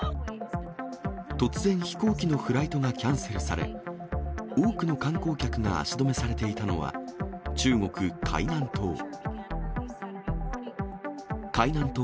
突然飛行機のフライトがキャンセルされ、多くの観光客が足止めされていたのは、中国・海南島。